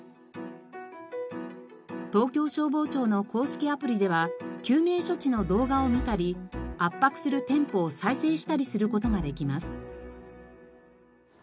東京消防庁の公式アプリでは救命処置の動画を見たり圧迫するテンポを再生したりする事ができます。